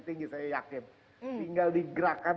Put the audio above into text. tinggi saya yakin tinggal digerakkan